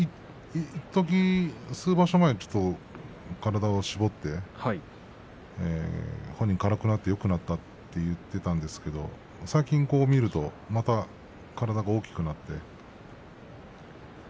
いっとき、数場所前体を絞って本人は軽くなってよくなったと言っていたんですが最近見るとまた体が大きくなって。